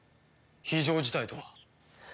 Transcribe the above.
非常事態とは。